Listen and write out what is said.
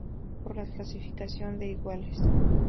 por la clasificación de iguales